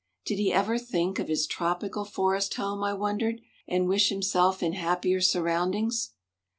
Did he ever think of his tropical forest home, I wondered, and wish himself in happier surroundings?